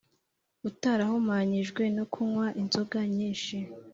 utarahumanyijwe no kunywa inzoga nyinshi